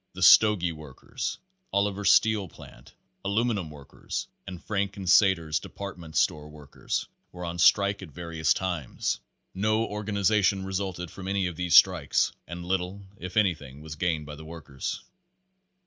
The Stogie Workers, Oliver Steel Plant, Aluminun Workers and Frank & Seder's department Store Workers were on strike at various times. No or ganization resulted from any of these strikes and little if anything was gained by the workers.